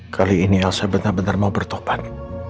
kali ini elsa benar benar mau bertopan